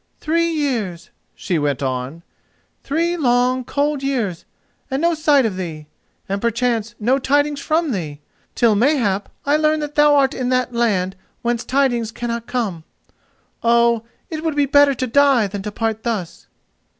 "Three years," she went on—"three long, cold years, and no sight of thee, and perchance no tidings from thee, till mayhap I learn that thou art in that land whence tidings cannot come. Oh, it would be better to die than to part thus."